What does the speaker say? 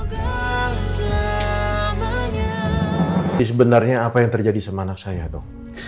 jadi sebenarnya apa yang terjadi sama anak saya dong